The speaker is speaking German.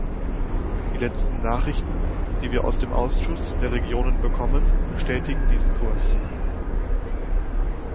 Die letzten Nachrichten, die wir aus dem Ausschuss der Regionen bekommen, bestätigen diesen Kurs.